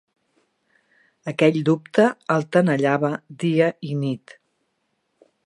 Aquell dubte el tenallava dia i nit.